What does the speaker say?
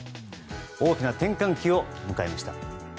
大きな転換期を迎えました。